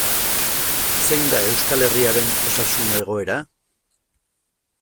Zein da Euskal Herriaren osasun egoera?